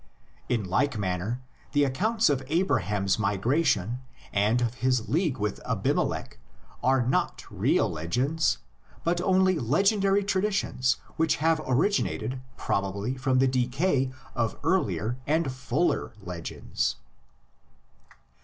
In like manner, the accounts of Abraham's migration and of his league with Abimelech are not real legends, but only legendary traditions which have originated probably from the decay of earlier and fuller legends.